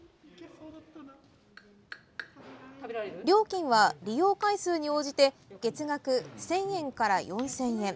料金は利用回数に応じて月額１０００円から４０００円。